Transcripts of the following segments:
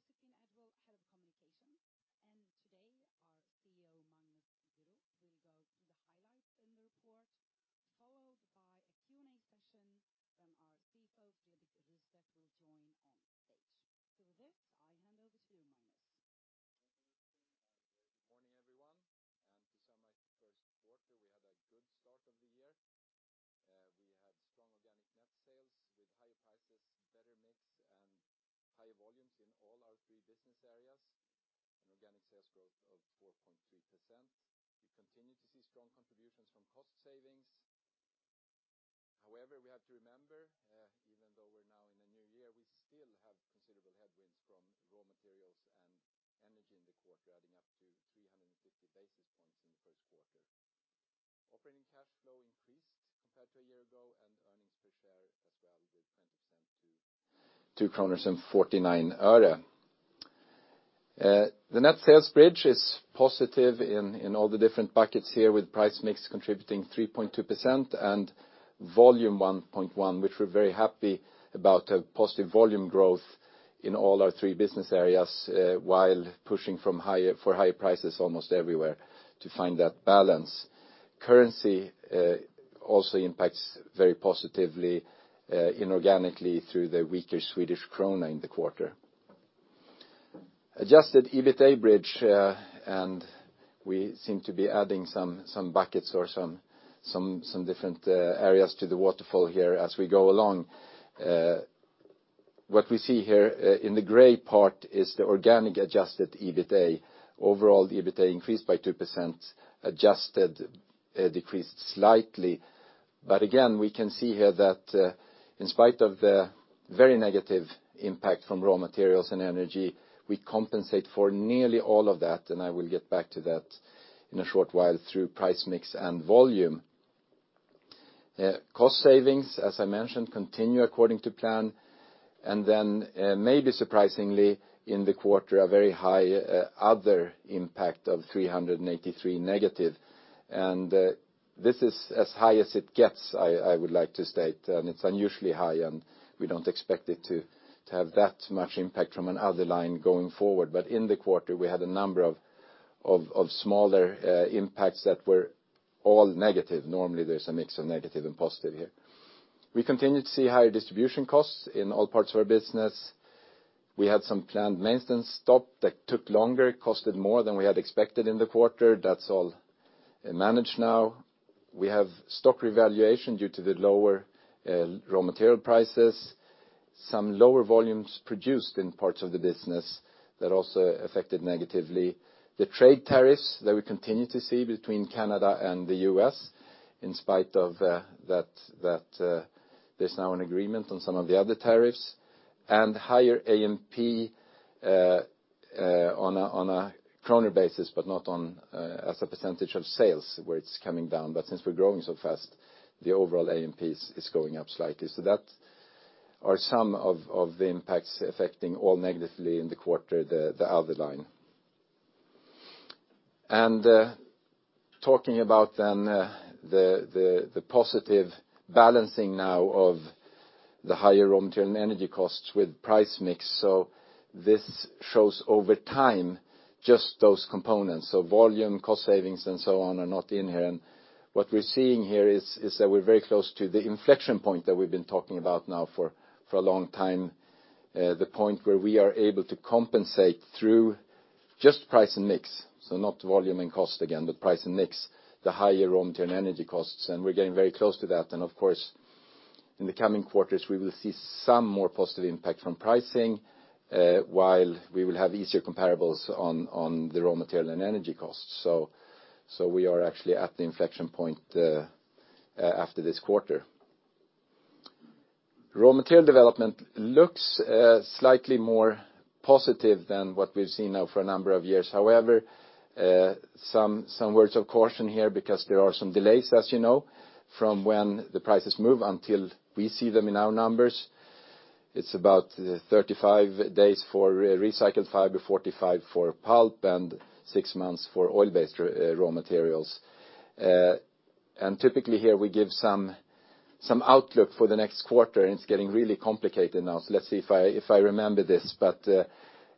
Hello, welcome to Essity's Q1 interim report for 2019. I'm Joséphine Edwall-Björklund, Head of Communication, today our CEO, Magnus Groth, will go through the highlights in the report, followed by a Q&A session, our CFO, Fredrik Rystedt will join on stage. With this, I hand over to you, Magnus. Thank you, Joséphine, good morning, everyone. To sum up the first quarter, we had a good start of the year. We had strong organic net sales with high prices, better mix, high volumes in all our three business areas, an organic sales growth of 4.3%. We continue to see strong contributions from cost savings. We have to remember, even though we're now in a new year, we still have considerable headwinds from raw materials and energy in the quarter, adding up to 350 basis points in the first quarter. Operating cash flow increased compared to a year ago, earnings per share as well with 20% to SEK 2.49. The net sales bridge is positive in all the different buckets here with price mix contributing 3.2% volume 1.1, which we're very happy about a positive volume growth in all our three business areas, while pushing for high prices almost everywhere to find that balance. Currency also impacts very positively inorganically through the weaker Swedish krona in the quarter. Adjusted EBITA bridge, we seem to be adding some buckets or some different areas to the waterfall here as we go along. Overall, the EBITA increased by 2%, adjusted decreased slightly. Again, we can see here that in spite of the very negative impact from raw materials and energy, we compensate for nearly all of that, I will get back to that in a short while through price mix and volume. Cost savings, as I mentioned, continue according to plan. Maybe surprisingly, in the quarter, a very high other impact of 383 negative. This is as high as it gets, I would like to state, it's unusually high, we don't expect it to have that much impact from an other line going forward. In the quarter, we had a number of smaller impacts that were all negative. Normally, there's a mix of negative and positive here. We continue to see higher distribution costs in all parts of our business. We had some planned maintenance stop that took longer, costed more than we had expected in the quarter. That's all managed now. We have stock revaluation due to the lower raw material prices. Some lower volumes produced in parts of the business that also affected negatively. The trade tariffs that we continue to see between Canada and the U.S., in spite of that there's now an agreement on some of the other tariffs, and higher AMP on a SEK basis, but not as a percentage of sales where it's coming down. Since we're growing so fast, the overall AMP is going up slightly. That are some of the impacts affecting all negatively in the quarter, the other line. Talking about then the positive balancing now of the higher raw material and energy costs with price mix. This shows over time just those components. Volume, cost savings, and so on are not in here. What we're seeing here is that we're very close to the inflection point that we've been talking about now for a long time, the point where we are able to compensate through just price and mix, not volume and cost again, but price and mix, the higher raw material and energy costs, and we're getting very close to that. Of course, in the coming quarters, we will see some more positive impact from pricing, while we will have easier comparables on the raw material and energy costs. We are actually at the inflection point after this quarter. Raw material development looks slightly more positive than what we've seen now for a number of years. However, some words of caution here because there are some delays, as you know, from when the prices move until we see them in our numbers. It's about 35 days for recycled fiber, 45 for pulp, and six months for oil-based raw materials. Typically here we give some outlook for the next quarter, and it's getting really complicated now. Let's see if I remember this, but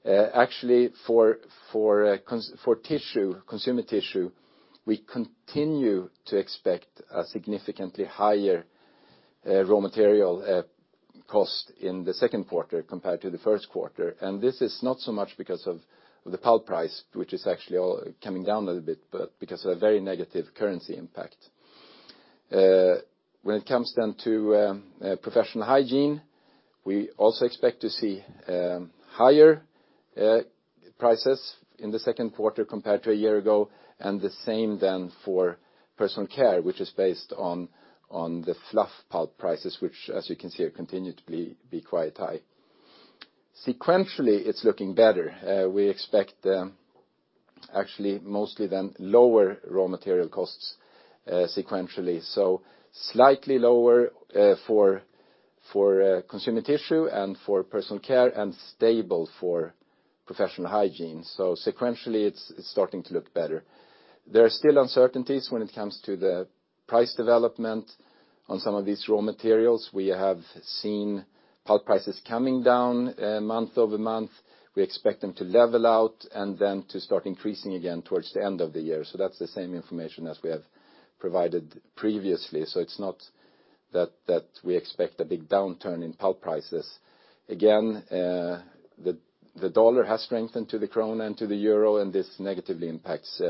actually for consumer tissue, we continue to expect a significantly higher raw material cost in the second quarter compared to the first quarter. This is not so much because of the pulp price, which is actually coming down a little bit, but because of a very negative currency impact. When it comes then to professional hygiene, we also expect to see higher prices in the second quarter compared to a year ago, and the same then for personal care, which is based on the fluff pulp prices, which, as you can see, continue to be quite high. Sequentially, it's looking better. We expect actually mostly then lower raw material costs sequentially. Slightly lower for consumer tissue and for personal care, and stable for professional hygiene. Sequentially, it's starting to look better. There are still uncertainties when it comes to the price development on some of these raw materials. We have seen pulp prices coming down month-over-month. We expect them to level out and then to start increasing again towards the end of the year. That's the same information as we have provided previously. It's not that we expect a big downturn in pulp prices. Again, the dollar has strengthened to the SEK and to the EUR, and this negatively impacts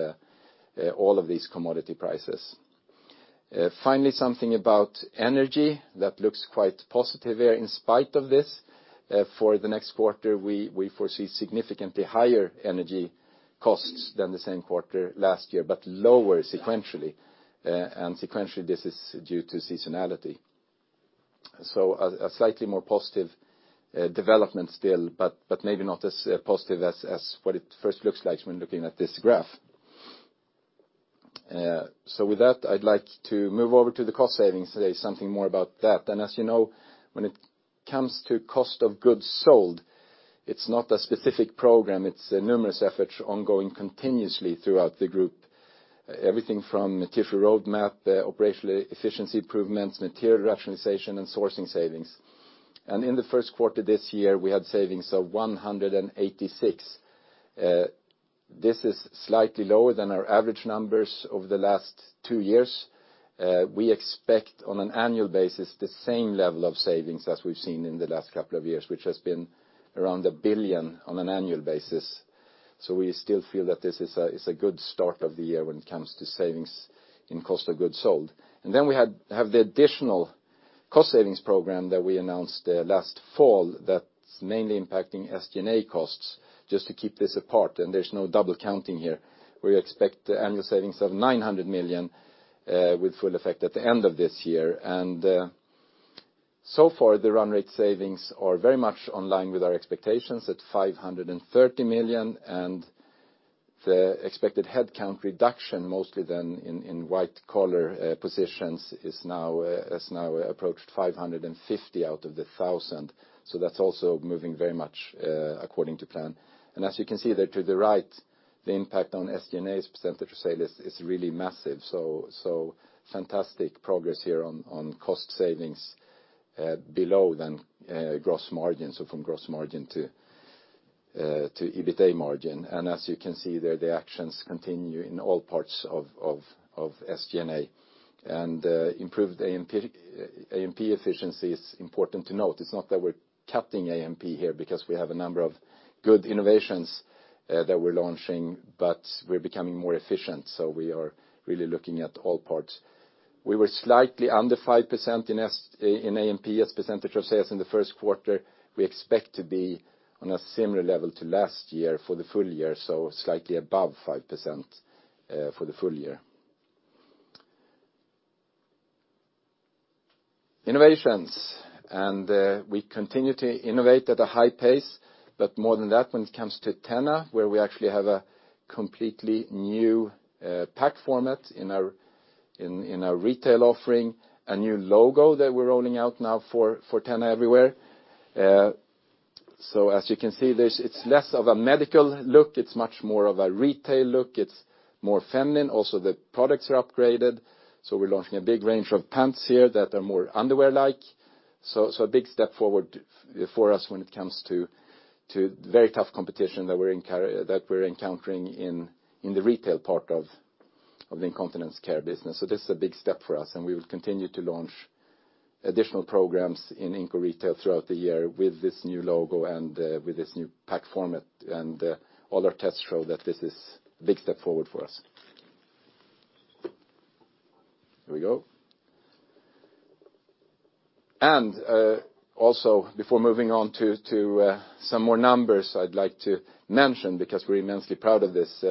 all of these commodity prices. Finally, something about energy that looks quite positive here, in spite of this. For the next quarter, we foresee significantly higher energy costs than the same quarter last year, but lower sequentially. Sequentially, this is due to seasonality. A slightly more positive development still, but maybe not as positive as what it first looks like when looking at this graph. With that, I'd like to move over to the cost savings. Say something more about that. As you know, when it comes to COGS, it's not a specific program. It's numerous efforts ongoing continuously throughout the group. Everything from Tissue Roadmap, operational efficiency improvements, material rationalization, and sourcing savings. In the first quarter this year, we had savings of 186. This is slightly lower than our average numbers over the last two years. We expect on an annual basis, the same level of savings as we've seen in the last couple of years, which has been around 1 billion on an annual basis. We still feel that this is a good start of the year when it comes to savings in COGS. Then we have the additional cost savings program that we announced last fall that's mainly impacting SG&A costs, just to keep this apart, and there's no double counting here. We expect annual savings of 900 million with full effect at the end of this year. So far, the run rate savings are very much online with our expectations at 530 million, and the expected headcount reduction mostly then in white collar positions has now approached 550 out of the 1,000. That's also moving very much according to plan. As you can see there to the right, the impact on SG&A as a percentage of sales is really massive. Fantastic progress here on cost savings below then gross margin, so from gross margin to EBITA margin. As you can see there, the actions continue in all parts of SG&A. Improved AMP efficiency is important to note. It's not that we're cutting AMP here because we have a number of good innovations that we're launching, but we're becoming more efficient. We are really looking at all parts. We were slightly under 5% in AMP as a percentage of sales in the first quarter. We expect to be on a similar level to last year for the full year, so slightly above 5% for the full year. Innovations, we continue to innovate at a high pace, but more than that when it comes to TENA, where we actually have a completely new pack format in our retail offering. A new logo that we're rolling out now for TENA everywhere. As you can see, it's less of a medical look, it's much more of a retail look. It's more feminine. Also, the products are upgraded. We're launching a big range of pants here that are more underwear-like. A big step forward for us when it comes to very tough competition that we're encountering in the retail part of the incontinence care business. This is a big step for us, and we will continue to launch additional programs in Inco Retail throughout the year with this new logo and with this new pack format. All our tests show that this is a big step forward for us. Here we go. Before moving on to some more numbers, I'd like to mention because we're immensely proud of this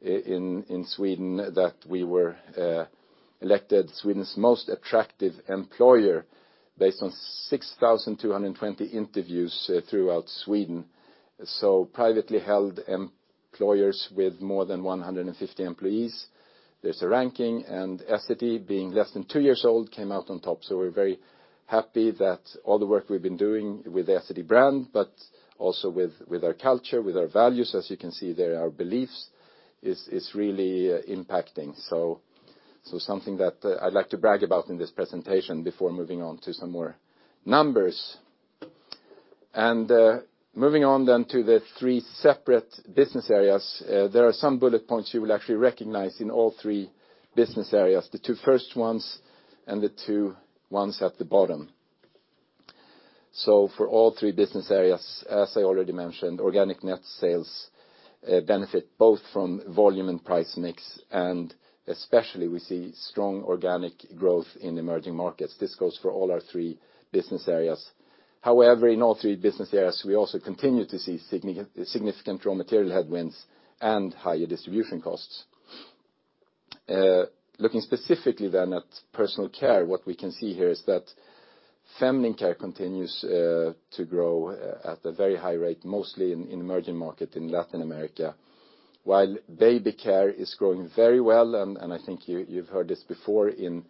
in Sweden, that we were elected Sweden's most attractive employer based on 6,220 interviews throughout Sweden. Privately held employers with more than 150 employees. There's a ranking, and Essity, being less than two years old, came out on top. We're very happy that all the work we've been doing with the Essity brand, but also with our culture, with our values, as you can see there, our beliefs, is really impacting. Something that I'd like to brag about in this presentation before moving on to some more numbers. Moving on then to the three separate business areas. There are some bullet points you will actually recognize in all three business areas, the two first ones and the two ones at the bottom. For all three business areas, as I already mentioned, organic net sales benefit both from volume and price mix, and especially we see strong organic growth in emerging markets. This goes for all our three business areas. However, in all three business areas, we also continue to see significant raw material headwinds and higher distribution costs. Looking specifically at personal care, what we can see here is that feminine care continues to grow at a very high rate, mostly in emerging market in Latin America. While Baby Care is growing very well, and I think you've heard this before, in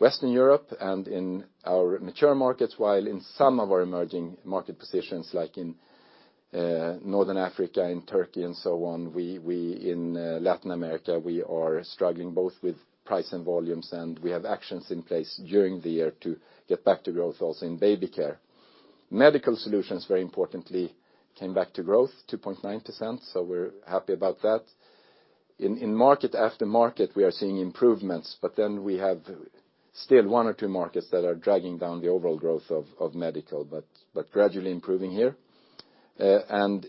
Western Europe and in our mature markets, while in some of our emerging market positions like in Northern Africa and Turkey and so on, in Latin America, we are struggling both with price and volumes, and we have actions in place during the year to get back to growth also in Baby Care. Medical Solutions, very importantly, came back to growth, 2.9%. We're happy about that. In market after market, we are seeing improvements. We have still one or two markets that are dragging down the overall growth of Medical, but gradually improving here.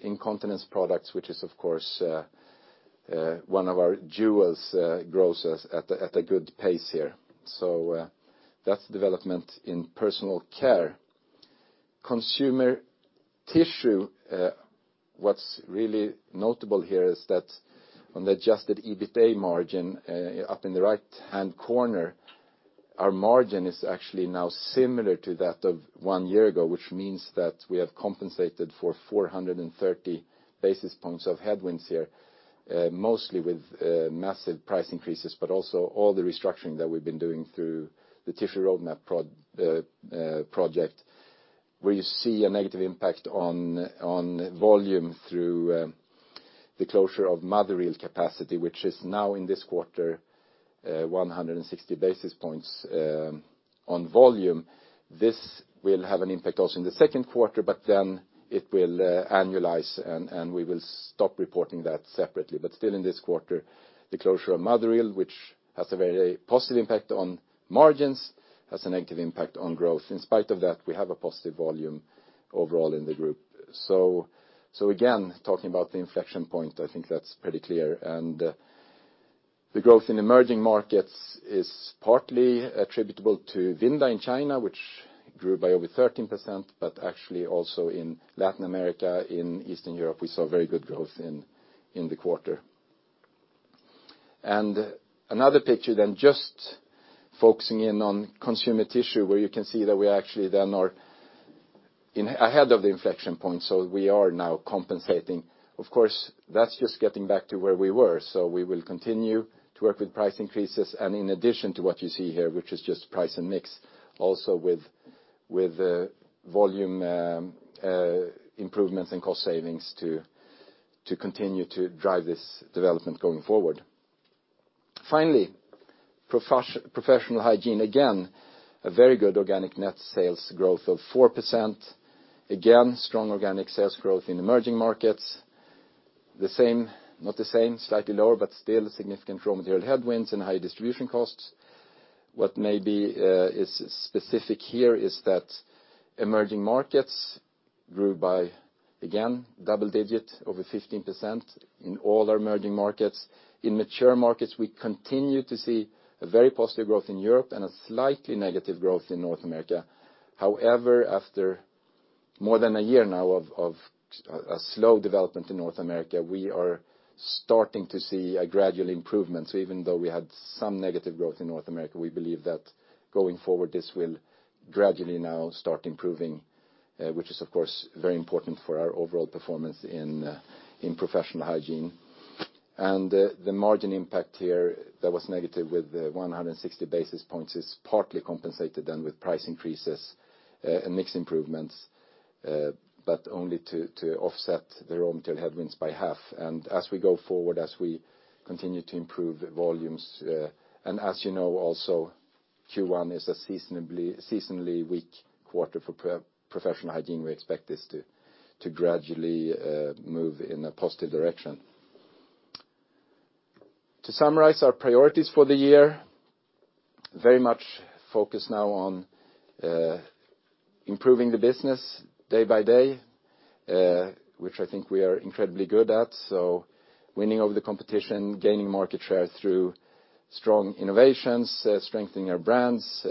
Incontinence Products, which is, of course, one of our jewels, grows at a good pace here. That's the development in Personal Care. Consumer Tissue, what's really notable here is that on the adjusted EBITA margin, up in the right-hand corner, our margin is actually now similar to that of one year ago, which means that we have compensated for 430 basis points of headwinds here, mostly with massive price increases, but also all the restructuring that we've been doing through the Tissue Roadmap project, where you see a negative impact on volume through the closure of Madurai capacity, which is now in this quarter 160 basis points on volume. This will have an impact also in the second quarter, it will annualize, and we will stop reporting that separately. Still in this quarter, the closure of Madurai, which has a very positive impact on margins, has a negative impact on growth. In spite of that, we have a positive volume overall in the group. Again, talking about the inflection point, I think that's pretty clear. The growth in emerging markets is partly attributable to Vinda in China, which grew by over 13%, but actually also in Latin America, in Eastern Europe, we saw very good growth in the quarter. Another picture then, just focusing in on Consumer Tissue, where you can see that we actually then are ahead of the inflection point, so we are now compensating. Of course, that's just getting back to where we were. We will continue to work with price increases and in addition to what you see here, which is just price and mix, also with volume improvements and cost savings to continue to drive this development going forward. Finally, Professional Hygiene, again, a very good organic net sales growth of 4%. Again, strong organic sales growth in emerging markets. Not the same, slightly lower, but still significant raw material headwinds and high distribution costs. What maybe is specific here is that emerging markets grew by, again, double digit, over 15% in all our emerging markets. In mature markets, we continue to see a very positive growth in Europe and a slightly negative growth in North America. However, after more than a year now of a slow development in North America, we are starting to see a gradual improvement. Even though we had some negative growth in North America, we believe that going forward, this will gradually now start improving, which is, of course, very important for our overall performance in Professional Hygiene. The margin impact here that was negative with the 160 basis points is partly compensated then with price increases and mix improvements, but only to offset the raw material headwinds by half. As we go forward, as we continue to improve volumes, and as you know also, Q1 is a seasonally weak quarter for Professional Hygiene. We expect this to gradually move in a positive direction. To summarize our priorities for the year, very much focused now on improving the business day by day, which I think we are incredibly good at. Winning over the competition, gaining market share through strong innovations, strengthening our brands.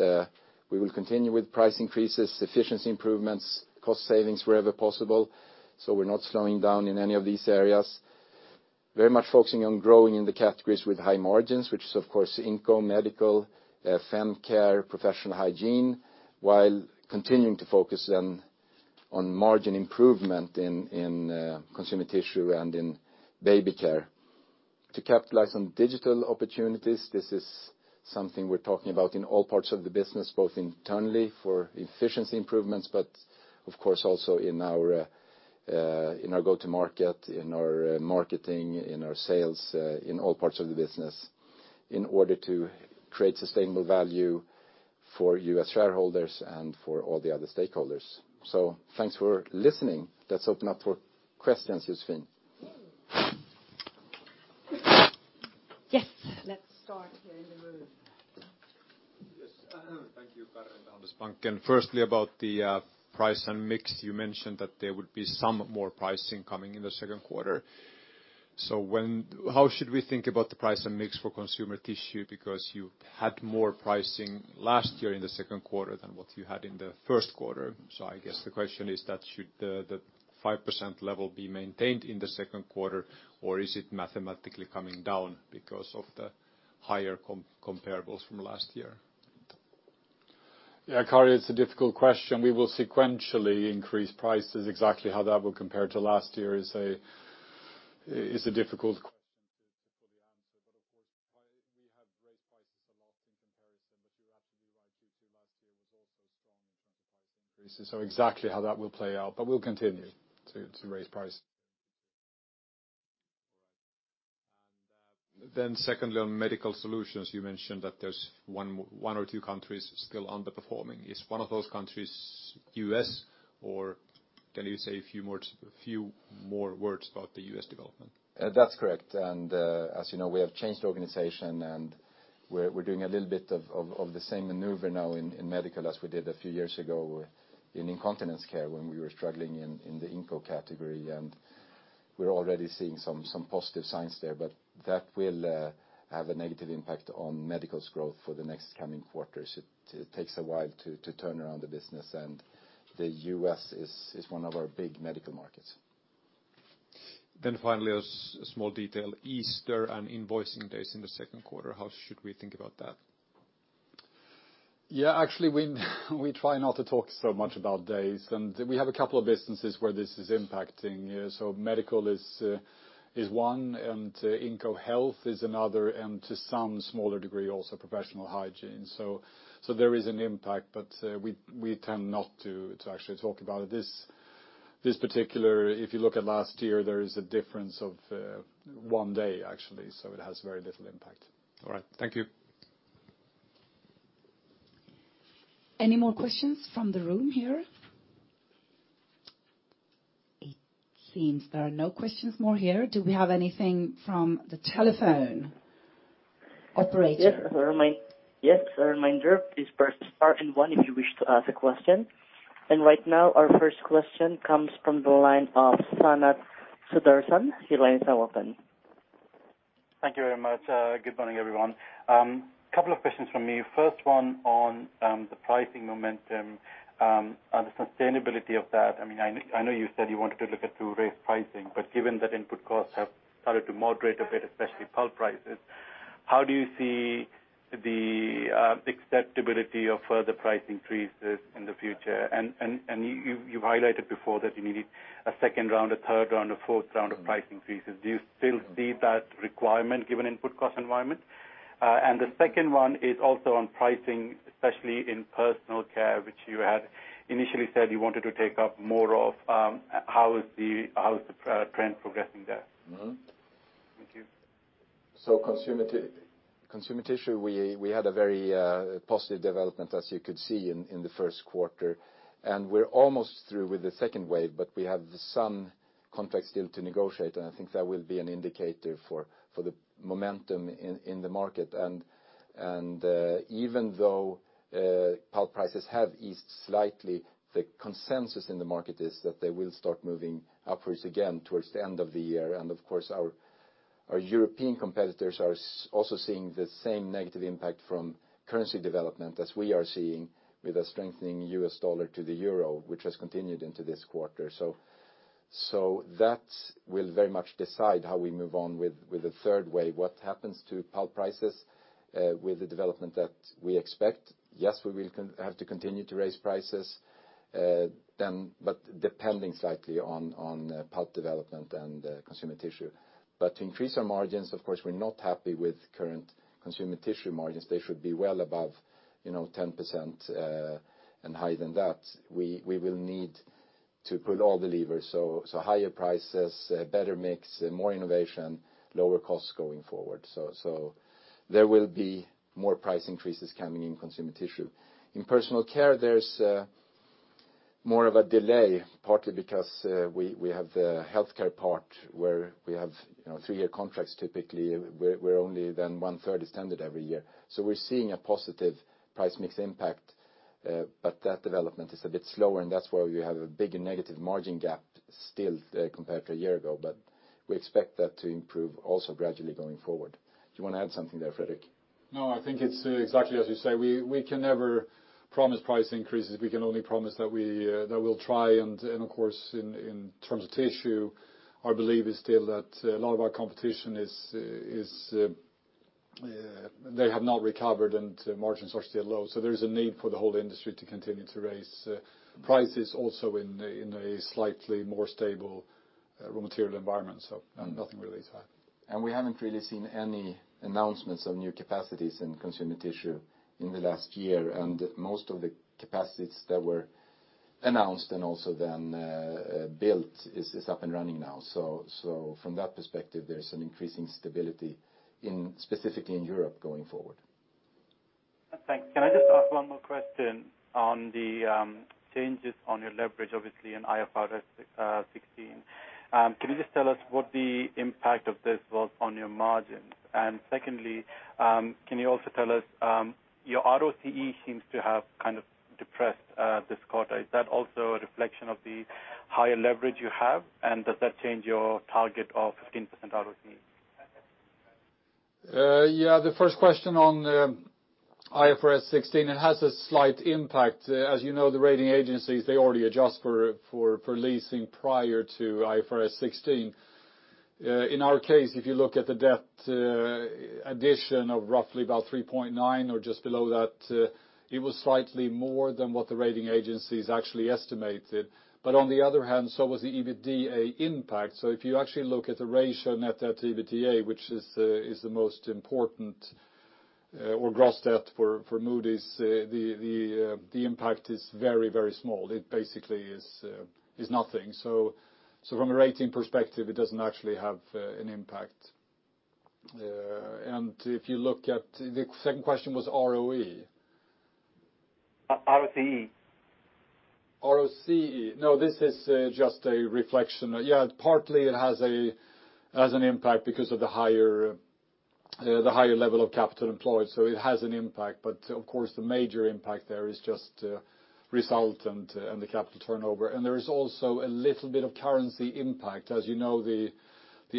We will continue with price increases, efficiency improvements, cost savings wherever possible. We're not slowing down in any of these areas. Very much focusing on growing in the categories with high margins, which is, of course, Inco, Medical, Fem Care, Professional Hygiene, while continuing to focus then on margin improvement in Consumer Tissue and in Baby Care. To capitalize on digital opportunities, this is something we're talking about in all parts of the business, both internally for efficiency improvements, but of course, also in our go-to market, in our marketing, in our sales, in all parts of the business in order to create sustainable value for U.S. shareholders and for all the other stakeholders. Thanks for listening. Let's open up for questions, Joséphine. Yes. Let's start here in the room. Yes. Thank you, Per from DNB. Firstly, about the price and mix, you mentioned that there would be some more pricing coming in the second quarter. How should we think about the price and mix for Consumer Tissue? Because you had more pricing last year in the second quarter than what you had in the first quarter. I guess the question is that should the 5% level be maintained in the second quarter, or is it mathematically coming down because of the higher comparables from last year? Yeah, Kari, it's a difficult question. We will sequentially increase prices. Exactly how that will compare to last year is a difficult question to fully answer. Of course, we have raised prices a lot in comparison, but you're absolutely right, Q2 last year was also strong in terms of price increases. Exactly how that will play out. We'll continue to raise prices. All right. Secondly, on Medical Solutions, you mentioned that there's one or two countries still underperforming. Is one of those countries U.S., or can you say a few more words about the U.S. development? That's correct. As you know, we have changed organization and we're doing a little bit of the same maneuver now in medical as we did a few years ago in incontinence care when we were struggling in the Inco category, and we're already seeing some positive signs there. That will have a negative impact on medical's growth for the next coming quarters. It takes a while to turn around the business, and the U.S. is one of our big medical markets. Finally, a small detail. Easter and invoicing days in the second quarter, how should we think about that? Yeah, actually, we try not to talk so much about days, we have a couple of businesses where this is impacting. Medical is one, Inco health is another, to some smaller degree, also professional hygiene. There is an impact, but we tend not to actually talk about it. This particular, if you look at last year, there is a difference of one day actually, it has very little impact. All right. Thank you. Any more questions from the room here? It seems there are no questions more here. Do we have anything from the telephone, operator? Yes. A reminder, please press star and one if you wish to ask a question. Right now, our first question comes from the line of Sanath Sudarsan. Your line is now open. Thank you very much. Good morning, everyone. Couple of questions from me. First one on the pricing momentum and the sustainability of that. I know you said you wanted to look at to raise pricing, given that input costs have started to moderate a bit, especially pulp prices, how do you see the acceptability of further price increases in the future? You highlighted before that you needed a second round, a third round, a fourth round of price increases. Do you still see that requirement given input cost environment? The second one is also on pricing, especially in personal care, which you had initially said you wanted to take up more of. How is the trend progressing there? Thank you. Consumer tissue, we had a very positive development as you could see in the first quarter. We're almost through with the second wave, we have some contracts still to negotiate, I think that will be an indicator for the momentum in the market. Even though pulp prices have eased slightly, the consensus in the market is that they will start moving upwards again towards the end of the year. Of course, our European competitors are also seeing the same negative impact from currency development as we are seeing with a strengthening US dollar to the euro, which has continued into this quarter. That will very much decide how we move on with the third wave. What happens to pulp prices with the development that we expect? Yes, we will have to continue to raise prices depending slightly on pulp development and consumer tissue. To increase our margins, of course, we're not happy with current consumer tissue margins. They should be well above 10% and higher than that. We will need to pull all the levers. Higher prices, better mix, more innovation, lower costs going forward. There will be more price increases coming in consumer tissue. In personal care, there's more of a delay, partly because we have the healthcare part where we have three-year contracts typically, where only then one-third is tended every year. We're seeing a positive price mix impact, that development is a bit slower, that's why we have a bigger negative margin gap still compared to a year ago. We expect that to improve also gradually going forward. Do you want to add something there, Fredrik? I think it's exactly as you say. We can never promise price increases. We can only promise that we'll try and, of course, in terms of tissue, our belief is still that a lot of our competition is they have not recovered, and margins are still low. There is a need for the whole industry to continue to raise prices also in a slightly more stable raw material environment. Nothing really to add. We haven't really seen any announcements of new capacities in consumer tissue in the last year. Most of the capacities that were announced and also then built is up and running now. From that perspective, there's an increasing stability specifically in Europe going forward. Thanks. Can I just ask one more question on the changes on your leverage, obviously in IFRS 16? Can you just tell us what the impact of this was on your margins? Secondly, can you also tell us, your ROCE seems to have kind of depressed this quarter. Is that also a reflection of the higher leverage you have, and does that change your target of 15% ROCE? The first question on IFRS 16, it has a slight impact. As you know, the rating agencies, they already adjust for leasing prior to IFRS 16. In our case, if you look at the debt addition of roughly about 3.9 or just below that, it was slightly more than what the rating agencies actually estimated. On the other hand, so was the EBITDA impact. If you actually look at the ratio net debt to EBITDA, which is the most important, or gross debt for Moody's, the impact is very small. It basically is nothing. From a rating perspective, it doesn't actually have an impact. The second question was ROE? ROCE. ROCE. No, this is just a reflection. Yeah, partly it has an impact because of the higher level of capital employed. It has an impact, but of course, the major impact there is just result and the capital turnover. There is also a little bit of currency impact. As you know, the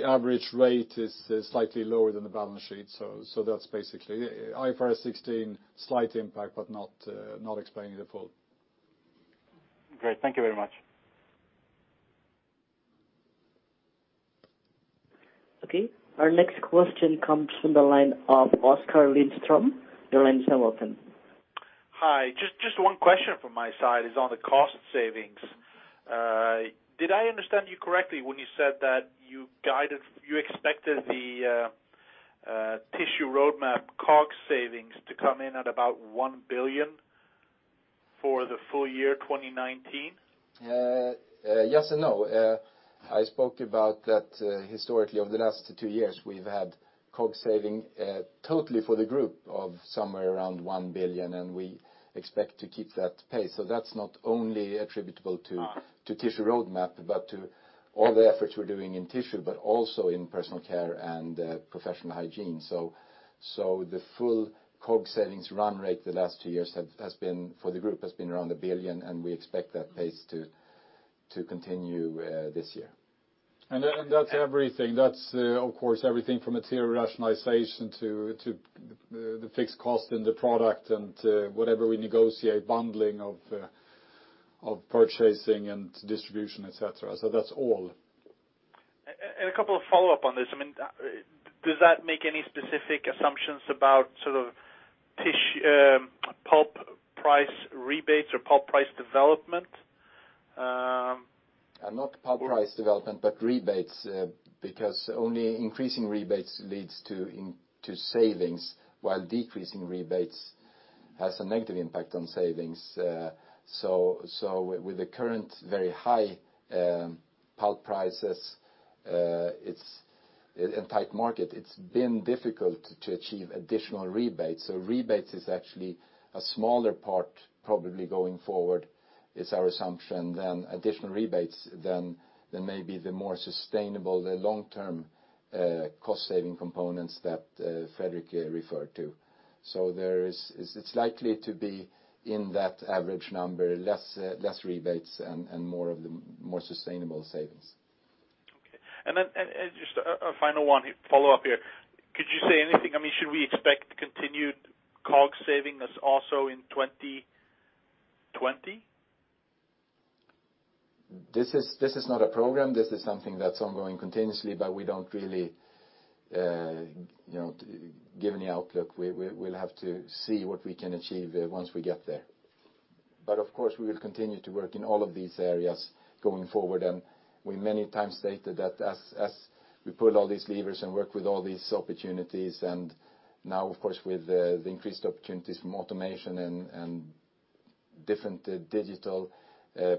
average rate is slightly lower than the balance sheet. That's basically IFRS 16, slight impact, but not explaining the full. Great. Thank you very much. Okay. Our next question comes from the line of Oskar Lindström. Your line is now open. Hi, just one question from my side is on the cost savings. Did I understand you correctly when you said that you expected the Tissue Roadmap COGS savings to come in at about 1 billion for the full year 2019? Yes and no. I spoke about that historically over the last two years, we've had COGS saving totally for the group of somewhere around 1 billion. We expect to keep that pace. That's not only attributable to Tissue Roadmap but to all the efforts we're doing in tissue, but also in Personal Care and Professional Hygiene. The full COGS savings run rate the last two years for the group has been around 1 billion. We expect that pace to continue this year. That's everything. That's, of course, everything from material rationalization to the fixed cost in the product and whatever we negotiate, bundling of purchasing and distribution, et cetera. That's all. A couple of follow-up on this. Does that make any specific assumptions about sort of pulp price rebates or pulp price development? Not pulp price development, but rebates, because only increasing rebates leads to savings, while decreasing rebates has a negative impact on savings. With the current very high pulp prices, it's a tight market. It's been difficult to achieve additional rebates. Rebates is actually a smaller part probably going forward, is our assumption, than additional rebates than maybe the more sustainable, the long-term cost-saving components that Fredrik referred to. It's likely to be in that average number, less rebates and more sustainable savings. Okay. Just a final one follow up here. Could you say anything, should we expect continued COGS saving as also in 2020? This is not a program. This is something that's ongoing continuously, but we don't really give any outlook. We'll have to see what we can achieve once we get there. Of course, we will continue to work in all of these areas going forward, and we many times stated that as we pull all these levers and work with all these opportunities, and now, of course, with the increased opportunities from automation and different digital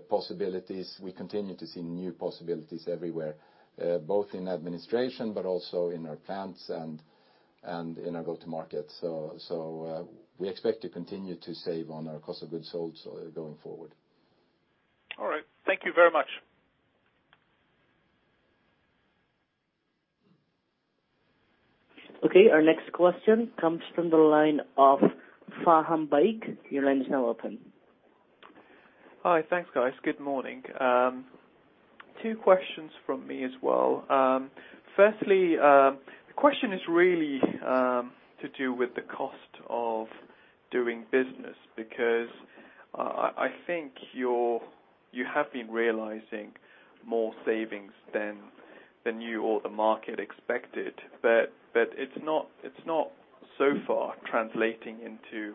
possibilities, we continue to see new possibilities everywhere, both in administration but also in our plants and in our go-to-market. We expect to continue to save on our cost of goods sold going forward. All right. Thank you very much. Okay, our next question comes from the line of Faham Baig. Your line is now open. Hi. Thanks, guys. Good morning. Two questions from me as well. Firstly, the question is really to do with the cost of doing business, because I think you have been realizing more savings than you or the market expected. It's not so far translating into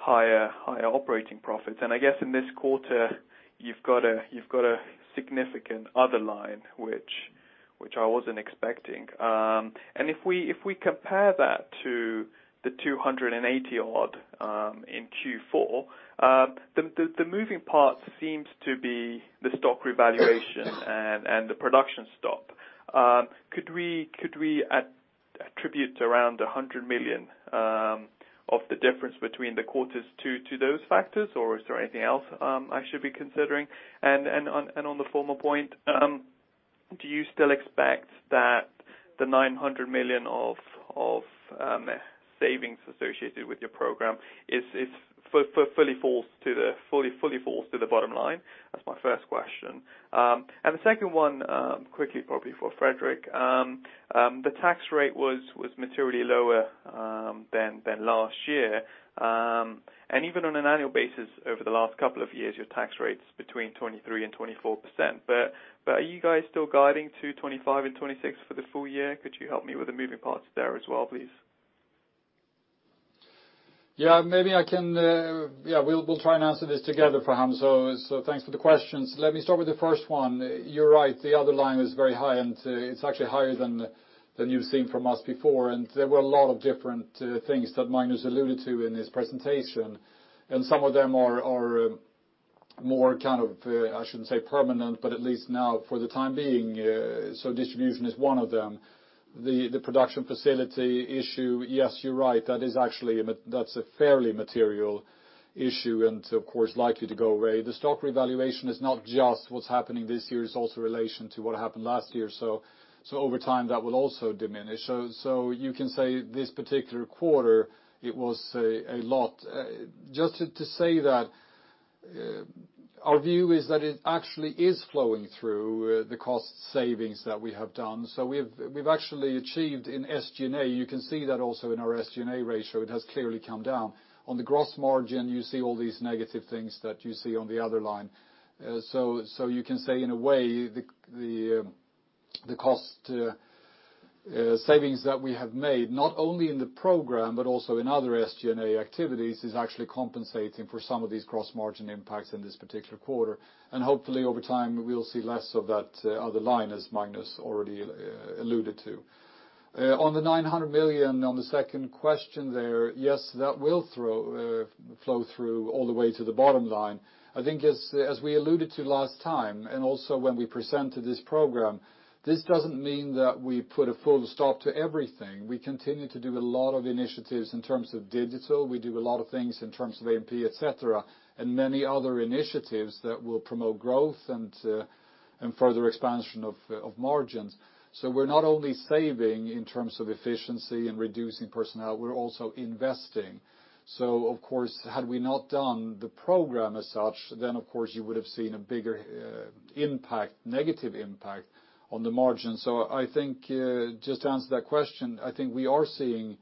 higher operating profits. I guess in this quarter, you've got a significant other line, which I wasn't expecting. If we compare that to the 280 odd in Q4, the moving part seems to be the stock revaluation and the production stock. Could we attribute around 100 million of the difference between the quarters to those factors, or is there anything else I should be considering? On the former point, do you still expect that the 900 million of savings associated with your program fully falls to the bottom line? That's my first question. The second one, quickly, probably for Fredrik. The tax rate was materially lower than last year. Even on an annual basis over the last couple of years, your tax rate's between 23%-24%. Are you guys still guiding to 25% and 26% for the full year? Could you help me with the moving parts there as well, please? Yeah, we'll try and answer this together, Faham. Thanks for the questions. Let me start with the first one. You're right, the other line is very high, and it's actually higher than you've seen from us before. There were a lot of different things that Magnus alluded to in his presentation. Some of them are more, I shouldn't say permanent, but at least now for the time being. Distribution is one of them. The production facility issue, yes, you're right. That's a fairly material issue and, of course, likely to go away. The stock revaluation is not just what's happening this year, it's also in relation to what happened last year. Over time, that will also diminish. You can say this particular quarter, it was a lot. Just to say that our view is that it actually is flowing through the cost savings that we have done. We've actually achieved in SG&A, you can see that also in our SG&A ratio, it has clearly come down. On the gross margin, you see all these negative things that you see on the other line. You can say, in a way, the cost savings that we have made, not only in the program but also in other SG&A activities, is actually compensating for some of these gross margin impacts in this particular quarter. Hopefully, over time, we'll see less of that other line, as Magnus already alluded to. On the 900 million, on the second question there, yes, that will flow through all the way to the bottom line. I think as we alluded to last time, and also when we presented this program, this doesn't mean that we put a full stop to everything. We continue to do a lot of initiatives in terms of digital. We do a lot of things in terms of AMP, et cetera, and many other initiatives that will promote growth and further expansion of margins. We're not only saving in terms of efficiency and reducing personnel, we're also investing. Of course, had we not done the program as such, then you would've seen a bigger negative impact on the margin. I think just to answer that question, I think we are seeing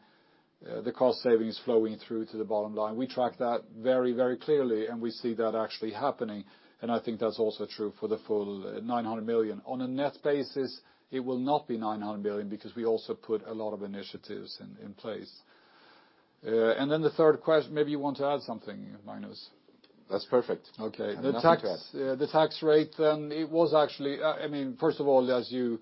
the cost savings flowing through to the bottom line. We track that very, very clearly, and we see that actually happening. I think that's also true for the full 900 million. On a net basis, it will not be 900 million because we also put a lot of initiatives in place. The third question, maybe you want to add something, Magnus. That's perfect. Okay. Nothing to add. The tax rate, first of all, as you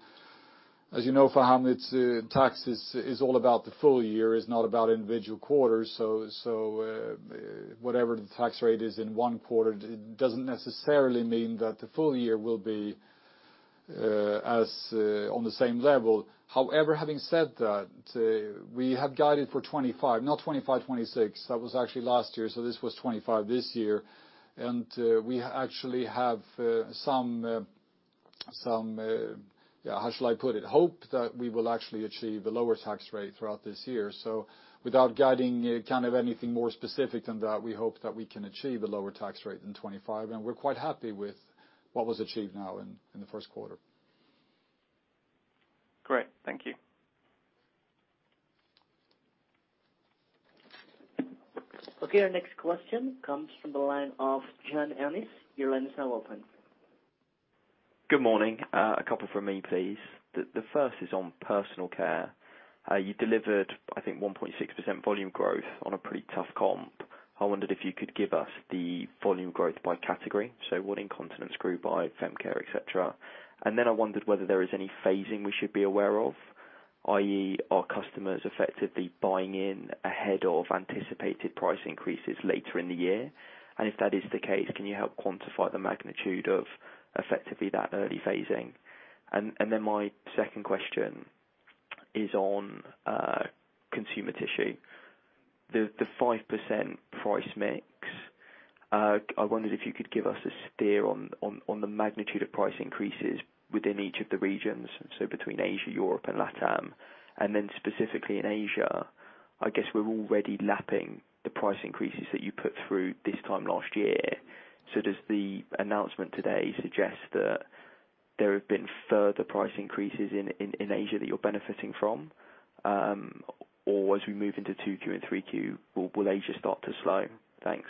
know, Faham, tax is all about the full year. It's not about individual quarters. Whatever the tax rate is in one quarter, it doesn't necessarily mean that the full year will be on the same level. However, having said that, we have guided for 25, not 25/26. That was actually last year, this was 25 this year. We actually have some, how shall I put it? Hope that we will actually achieve a lower tax rate throughout this year. Without guiding anything more specific than that, we hope that we can achieve a lower tax rate than 25, and we're quite happy with what was achieved now in the first quarter. Great, thank you. Our next question comes from the line of John Ernest. Your line is now open. Good morning. A couple from me, please. The first is on personal care. You delivered, I think, 1.6% volume growth on a pretty tough comp. I wondered if you could give us the volume growth by category. So what incontinence grew by fem care, et cetera. I wondered whether there is any phasing we should be aware of, i.e., our customers effectively buying in ahead of anticipated price increases later in the year. If that is the case, can you help quantify the magnitude of effectively that early phasing? My second question is on consumer tissue. The 5% price mix, I wondered if you could give us a steer on the magnitude of price increases within each of the regions, so between Asia, Europe, and LATAM. Specifically in Asia, I guess we're already lapping the price increases that you put through this time last year. Does the announcement today suggest that there have been further price increases in Asia that you're benefiting from? As we move into 2Q and 3Q, will Asia start to slow? Thanks.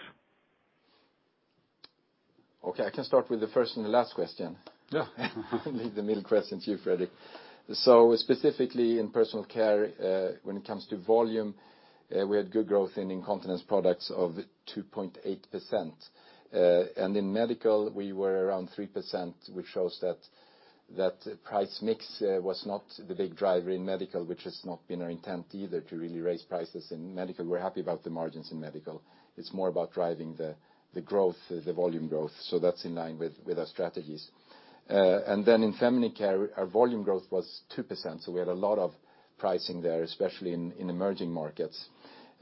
Okay, I can start with the first and the last question. Yeah. Leave the middle question to you, Fredrik. Specifically in personal care, when it comes to volume, we had good growth in incontinence products of 2.8%. In Medical, we were around 3%, which shows that price mix was not the big driver in Medical, which has not been our intent either to really raise prices in Medical. We're happy about the margins in Medical. It's more about driving the volume growth. That's in line with our strategies. In feminine care, our volume growth was 2%, so we had a lot of pricing there, especially in emerging markets.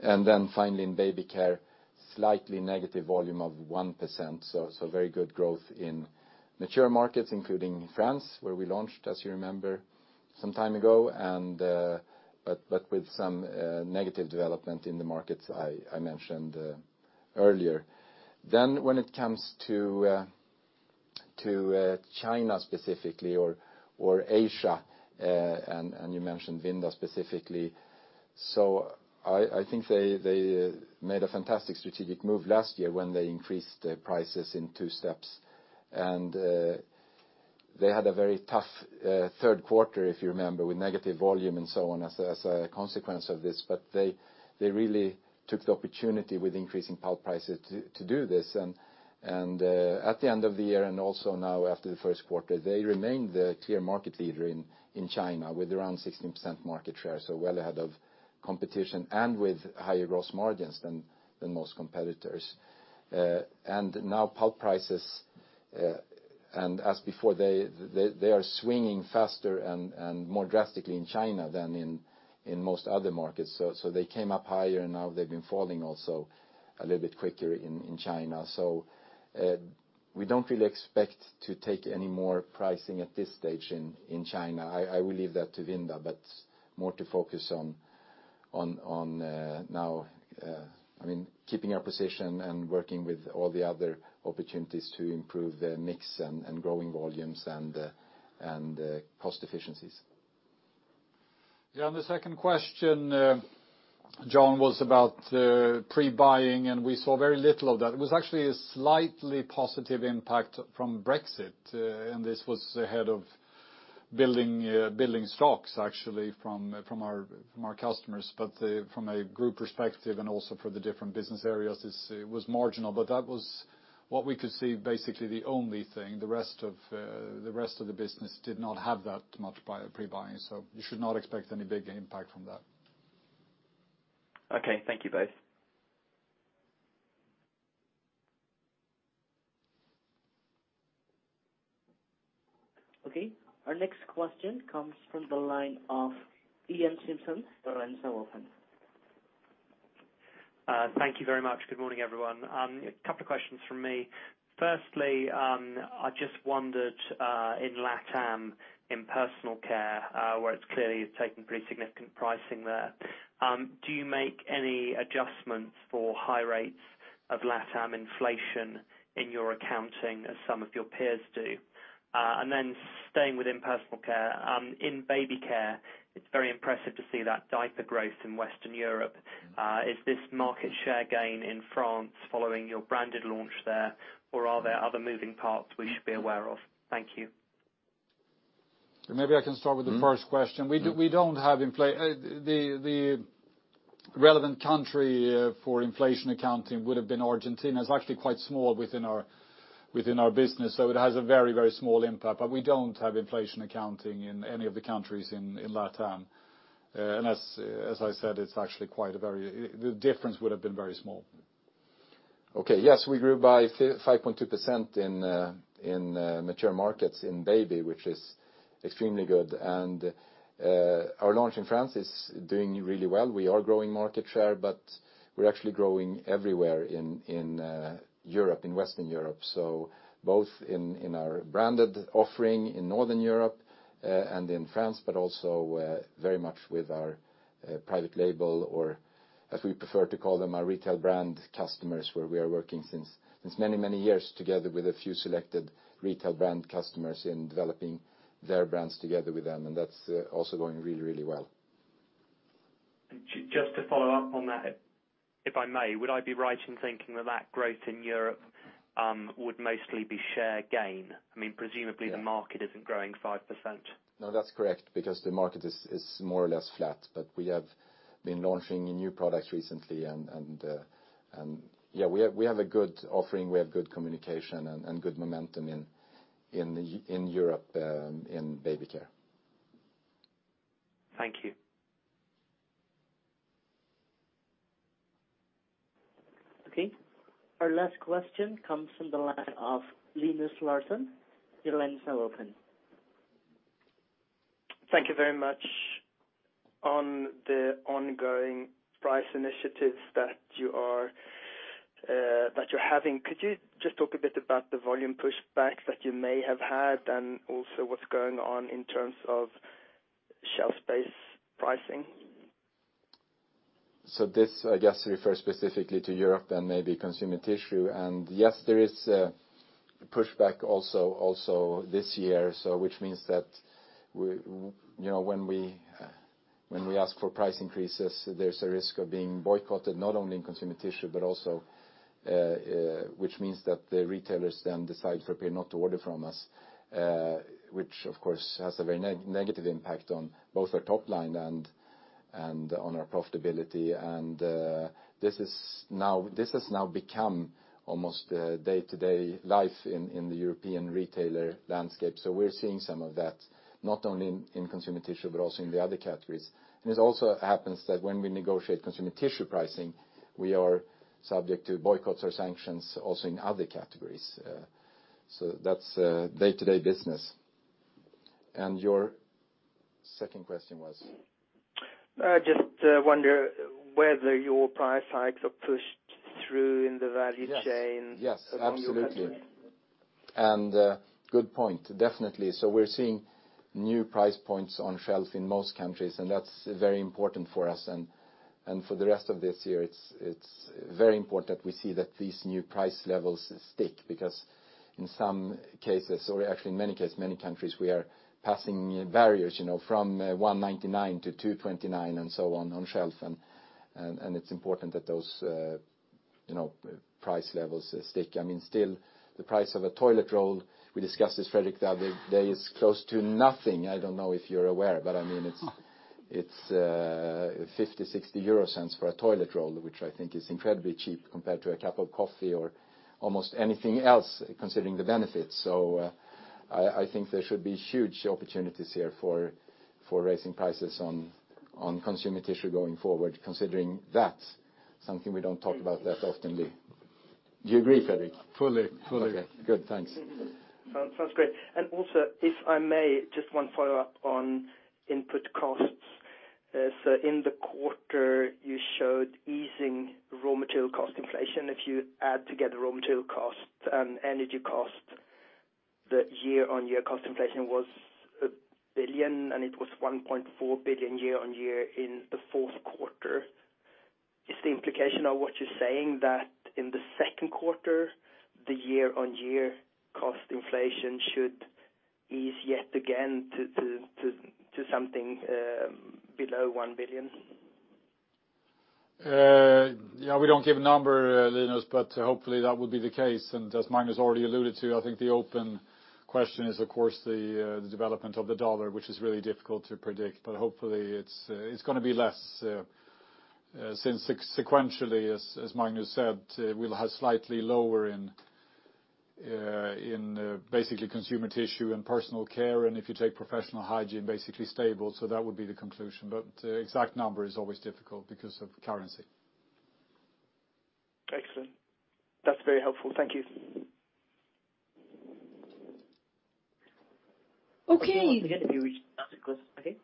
Finally, in baby care, slightly negative volume of 1%, so very good growth in mature markets, including France, where we launched, as you remember some time ago, but with some negative development in the markets I mentioned earlier. When it comes to China specifically or Asia, you mentioned Vinda specifically. I think they made a fantastic strategic move last year when they increased their prices in two steps. They had a very tough third quarter, if you remember, with negative volume and so on as a consequence of this. They really took the opportunity with increasing pulp prices to do this. At the end of the year, also now after the first quarter, they remained the clear market leader in China with around 16% market share, well ahead of competition and with higher gross margins than most competitors. Now pulp prices, as before, they are swinging faster and more drastically in China than in most other markets. They came up higher and now they've been falling also a little bit quicker in China. We don't really expect to take any more pricing at this stage in China. I will leave that to Vinda, more to focus on now keeping our position and working with all the other opportunities to improve the mix and growing volumes and cost efficiencies. The second question, John, was about pre-buying, we saw very little of that. It was actually a slightly positive impact from Brexit, this was ahead of building stocks actually from our customers. From a group perspective and also for the different business areas, it was marginal. That was what we could see, basically the only thing. The rest of the business did not have that much pre-buying. You should not expect any big impact from that. Thank you both. Okay, our next question comes from the line of Ian Simpson. Your line's now open. Thank you very much. Good morning, everyone. A couple of questions from me. Firstly, I just wondered, in LATAM, in personal care, where it's clearly taken pretty significant pricing there, do you make any adjustments for high rates of LATAM inflation in your accounting as some of your peers do? Staying within personal care, in baby care, it's very impressive to see that diaper growth in Western Europe. Is this market share gain in France following your branded launch there, or are there other moving parts we should be aware of? Thank you. Maybe I can start with the first question. The relevant country for inflation accounting would have been Argentina. It's actually quite small within our business, so it has a very small impact. We don't have inflation accounting in any of the countries in LATAM. As I said, the difference would have been very small. Okay. Yes, we grew by 5.2% in mature markets in baby, which is extremely good. Our launch in France is doing really well. We are growing market share, we're actually growing everywhere in Western Europe. Both in our branded offering in Northern Europe and in France, also very much with our private label or, as we prefer to call them, our retail brand customers, where we are working since many years together with a few selected retail brand customers in developing their brands together with them. That's also going really well. Just to follow up on that, if I may, would I be right in thinking that that growth in Europe would mostly be share gain? Presumably the market isn't growing 5%. No, that's correct, because the market is more or less flat. We have been launching new products recently and we have a good offering. We have good communication and good momentum in Europe in baby care. Thank you. Okay. Our last question comes from the line of Linus Larsson. Your line's now open. Thank you very much. On the ongoing price initiatives that you're having, could you just talk a bit about the volume pushbacks that you may have had and also what's going on in terms of shelf space pricing? This, I guess, refers specifically to Europe and maybe consumer tissue. Yes, there is a pushback also this year, which means that when we ask for price increases, there's a risk of being boycotted, not only in consumer tissue, but also which means that the retailers then decide for a period not to order from us, which of course has a very negative impact on both our top line and on our profitability. This has now become almost day-to-day life in the European retailer landscape. We're seeing some of that, not only in consumer tissue, but also in the other categories. It also happens that when we negotiate consumer tissue pricing, we are subject to boycotts or sanctions also in other categories. That's day-to-day business. Your second question was? I just wonder whether your price hikes are pushed through in the value chain- Yes, absolutely across your customers. Good point. Definitely. We're seeing new price points on shelf in most countries. That's very important for us. For the rest of this year, it's very important we see that these new price levels stick, because in some cases, or actually in many cases, many countries, we are passing barriers from 1.99 to 2.29 and so on shelf. It's important that those price levels stick. Still, the price of a toilet roll, we discussed this, Fredrik, the other day, is close to nothing. I don't know if you're aware, but it's 0.50, 0.60 for a toilet roll, which I think is incredibly cheap compared to a cup of coffee or almost anything else, considering the benefits. I think there should be huge opportunities here for raising prices on consumer tissue going forward, considering that's something we don't talk about that often. Do you agree, Fredrik? Fully. Okay, good. Thanks. Sounds great. Also, if I may, just one follow-up on input costs. In the quarter you showed easing raw material cost inflation. If you add together raw material costs and energy costs, the year-on-year cost inflation was 1 billion, and it was 1.4 billion year-on-year in the fourth quarter. Is the implication of what you're saying that in the second quarter, the year-on-year cost inflation should ease yet again to something below 1 billion? Yeah, we don't give a number, Linus, hopefully, that would be the case. As Magnus already alluded to, I think the open question is, of course, the development of the U.S. dollar, which is really difficult to predict. Hopefully, it's going to be less, since sequentially, as Magnus said, we'll have slightly lower in basically consumer tissue and personal care. If you take professional hygiene, basically stable, that would be the conclusion. The exact number is always difficult because of currency. Excellent. That's very helpful. Thank you. Okay. Once again, that's it, okay.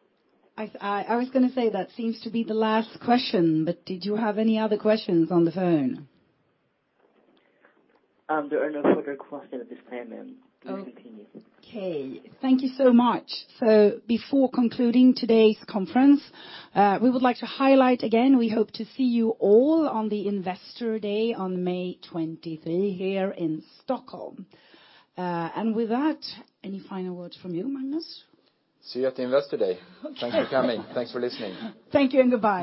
I was going to say, that seems to be the last question, but did you have any other questions on the phone? There are no further questions at this time, ma'am. You can continue. Okay, thank you so much. Before concluding today's conference, we would like to highlight again, we hope to see you all on the Investor Day on May 23 here in Stockholm. With that, any final words from you, Magnus? See you at the Investor Day. Thanks for coming. Thanks for listening. Thank you, and goodbye.